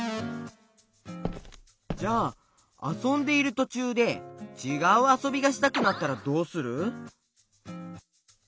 じゃああそんでいるとちゅうでちがうあそびがしたくなったらどうする？